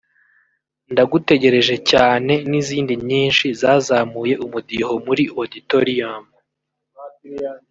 Ndagutegereje Cyane n’izindi nyinshi zazamuye umudiho muri Auditorium